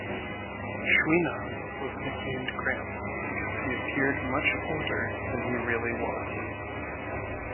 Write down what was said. Chouinard was nicknamed "Gramps" because he appeared much older than he really was.